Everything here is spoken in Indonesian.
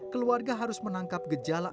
keluarga harus menangkap gejala